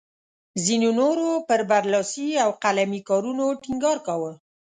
ځینو نورو پر برلاسي او قلمي کارونو ټینګار کاوه.